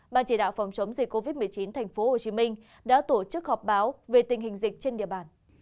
ban chỉ đạo phòng chống dịch covid một mươi chín tp hcm đã tổ chức họp báo về tình hình dịch trên địa bàn